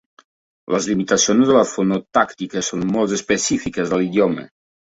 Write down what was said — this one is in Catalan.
Les limitacions de la fonotàctica són molt específiques de l'idioma.